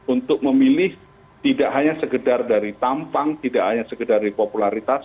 untuk memilih tidak hanya sekedar dari tampang tidak hanya sekedar dari popularitas